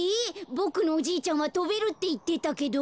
ボクのおじいちゃんはとべるっていってたけど？